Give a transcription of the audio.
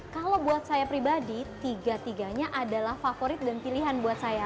kalau buat saya pribadi tiga tiganya adalah favorit dan pilihan buat saya